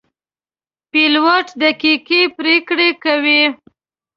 پیلوټ دقیقې پرېکړې کوي.